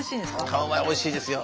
顔はおいしいですよ。